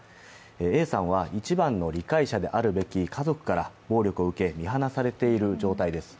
Ａさんは一番の理解者であるべき家族から暴力を受け、見放されている状態です。